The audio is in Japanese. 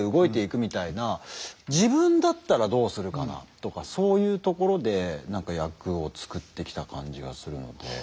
自分だったらどうするかなとかそういうところで何か役を作ってきた感じがするので。